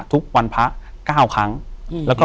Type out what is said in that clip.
อยู่ที่แม่ศรีวิรัยิลครับ